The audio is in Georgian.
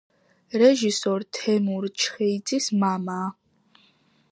რეჟისორ თემურ ჩხეიძის მამაა.